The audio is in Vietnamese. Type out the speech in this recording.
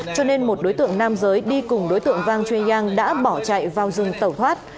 cho nên một đối tượng nam giới đi cùng đối tượng vang chuyên giang đã bỏ chạy vào rừng tẩu thoát